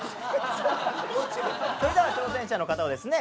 それでは挑戦者の方をですね